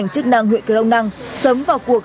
từ nhận dạng đối tượng